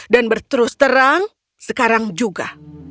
dan berterus terang sekarang juga